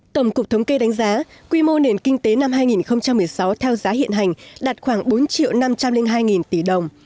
tổng cục thống kê đánh giá quy mô nền kinh tế năm hai nghìn một mươi sáu theo giá hiện hành đạt khoảng bốn năm trăm linh hai tỷ đồng